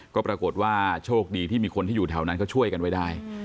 ก็ปรากฏว่าโชคดีที่มีคนที่อยู่แถวนั้นเขาช่วยกันไว้ได้